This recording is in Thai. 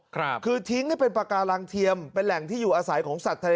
คือทิ้งให้เป็นปากการังเทียมเป็นแหล่งที่อยู่อาศัยของสัตว์ทะเล